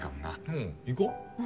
うん行こ。